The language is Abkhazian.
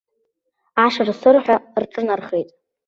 Ашыр-сырҳәа рҿынархеит.